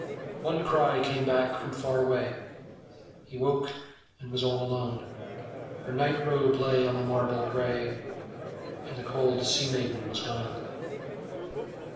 One cry came back from far away: He woke, and was all alone. Her night robe lay on the marble grey, And the cold sea maiden was gone.